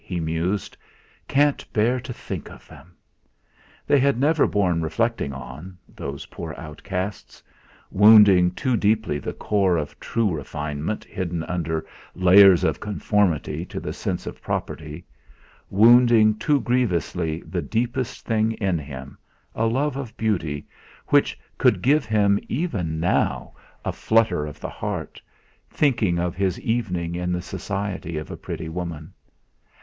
he mused; 'Can't bear to think of them!' They had never borne reflecting on, those poor outcasts; wounding too deeply the core of true refinement hidden under layers of conformity to the sense of property wounding too grievously the deepest thing in him a love of beauty which could give him, even now, a flutter of the heart, thinking of his evening in the society of a pretty woman.